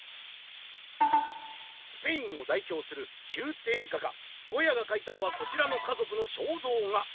「スペインをだいひょうするきゅうてい画家ゴヤが描いたのはこちらの家族の肖像画」。